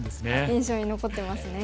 印象に残ってますね。